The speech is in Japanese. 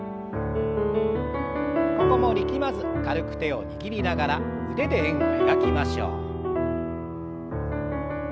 ここも力まず軽く手を握りながら腕で円を描きましょう。